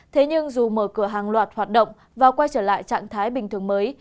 thế nhưng dù mở cửa hàng loạt hoạt động và quay trở lại trạng thái bình thường mới